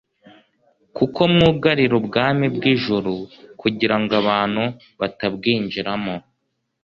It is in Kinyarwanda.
kuko mwugarira ubwami bw'ijuru kugira ngo abantu batabwinjiramo;